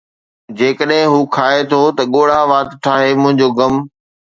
جيڪڏهن هو کائي ٿو ته ڳوڙها وات ٺاهي، منهنجو غم